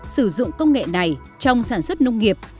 sử dụng công nghệ này trong sản xuất nông nghiệp